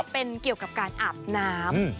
เป็นเกี่ยวกับการอาบน้ำ